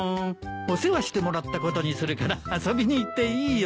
お世話してもらったことにするから遊びに行っていいよ。